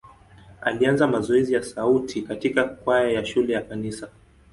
Alianza mazoezi ya sauti katika kwaya ya shule na kanisa.